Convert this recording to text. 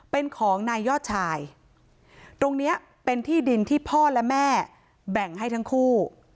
เป็นของนายยอดชายตรงนี้เป็นที่ดินที่พ่อและแม่แบ่งให้ทั้งคู่